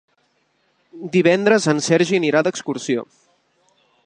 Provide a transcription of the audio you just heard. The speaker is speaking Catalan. Divendres en Sergi anirà d'excursió.